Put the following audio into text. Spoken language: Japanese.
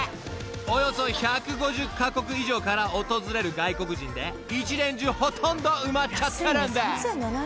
［およそ１５０カ国以上から訪れる外国人で１年中ほとんど埋まっちゃってるんです］